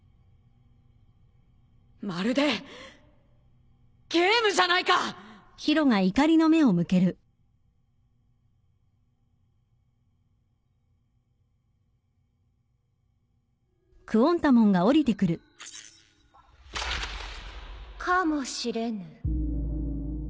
まるでゲームじゃないか！かもしれぬ。